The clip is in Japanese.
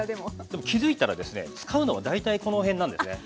でも気付いたらですね使うのは大体この辺なんですね。